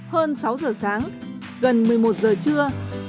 hơn sáu giờ sáng gần một mươi một giờ trưa